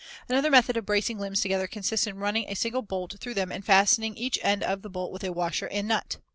Another method of bracing limbs together consists in running a single bolt through them and fastening each end of the bolt with a washer and nut.